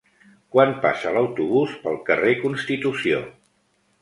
Quan passa l'autobús pel carrer Constitució?